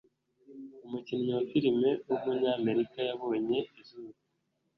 umukinnyi wa film w’umunyamerika yabonye izuba